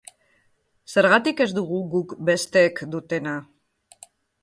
Zergatik ez dugu guk besteek dutena?